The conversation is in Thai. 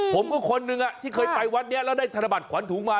คนหนึ่งที่เคยไปวัดนี้แล้วได้ธนบัตรขวัญถุงมา